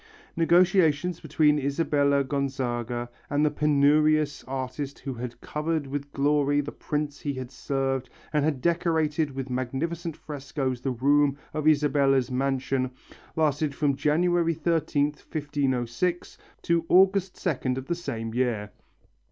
Negotiations between Isabella Gonzaga and the penurious artist who had covered with glory the prince he had served and had decorated with magnificent frescoes the room of Isabella's mansion, lasted from January 13th, 1506, to August 2nd of the same year.